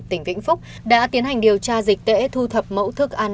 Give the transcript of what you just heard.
tỉnh vĩnh phúc đã tiến hành điều tra dịch tễ thu thập mẫu thức ăn